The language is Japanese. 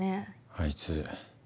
あいつ